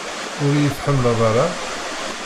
Ur iyi-tḥemmleḍ ara?